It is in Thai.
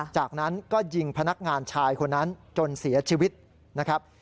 จากนั้นก็ยิงพนักงานชายคนนั้นจนเสียชีวิตนะครับ